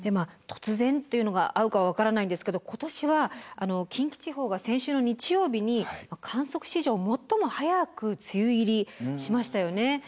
突然というのが合うかは分からないんですけど今年は近畿地方が先週の日曜日に観測史上最も早く梅雨入りしましたよね。